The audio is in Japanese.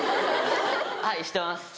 はい知ってます。